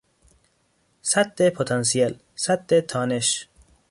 سد پتانسیل، سد تانش